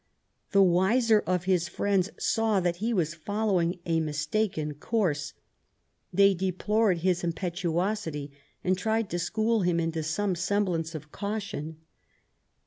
The wiser of his friends saw that he was following a mistaken course ; they deplored his impetuosity, and tried to school him into some semblance of caution.